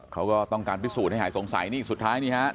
เขาก็ต้องการพิสูจน์ให้หายสงสัยนี่สุดท้ายนี่ฮะ